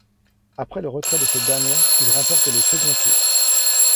Après le retrait de cette dernière, il remporte le second tour.